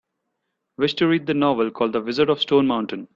Wish to read the novel called The Wizard of Stone Mountain